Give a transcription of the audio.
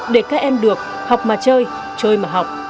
để các em được học mà chơi chơi mà học